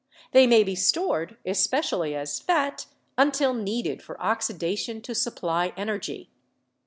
They may be stored, especially as fat, until needed for oxidation to supply energy.